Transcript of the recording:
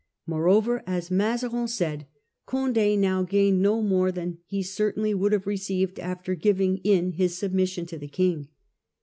Moreover, as Mazarin said, Conde now gained no more than he certainly would have received after giving in his submission to the King.